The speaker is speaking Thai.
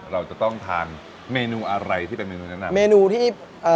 เราจะต้องทานเมนูอะไรที่เป็นเมนูแนะนำ